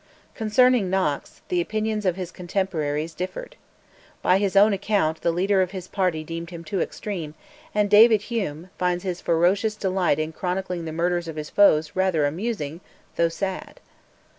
Concerning Knox, the opinions of his contemporaries differed. By his own account the leaders of his party deemed him "too extreme," and David Hume finds his ferocious delight in chronicling the murders of his foes "rather amusing," though sad!